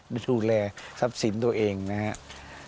ได้ดูแลทรัพย์ศิลป์ตัวเองนะครับ